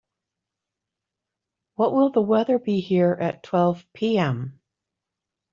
What will the weather be here at twelve P.m.?